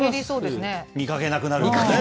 見かけなくなるんだね。